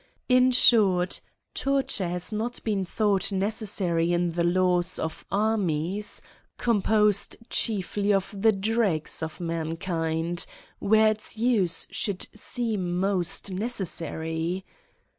In short, torture has not been thought necessary in the laws of armies, composed chiefly of the dregs of man kind, where its use should seem most necessary.